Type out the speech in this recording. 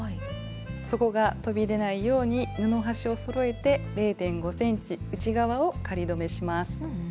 そこがとび出ないように布端をそろえて０．５ｃｍ内側を仮留めします。